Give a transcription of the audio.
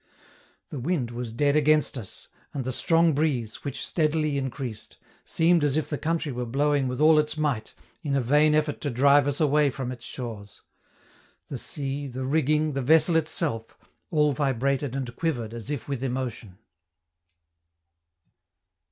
The wind was dead against us, and the strong breeze, which steadily increased, seemed as if the country were blowing with all its might, in a vain effort to drive us away from its shores. The sea, the rigging, the vessel itself, all vibrated and quivered as if with emotion.